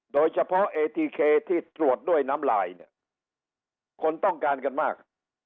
โดยเฉพาะเอทีเคที่ตรวจด้วยน้ำลายเนี่ยคนต้องการกันมาก